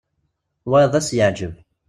Wayeḍ ad s-yeɛǧeb.